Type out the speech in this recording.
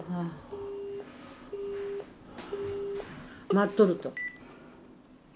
待っとると。